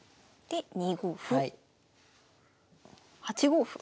８五歩。